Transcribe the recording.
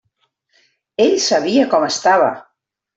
Ell sabia com estava!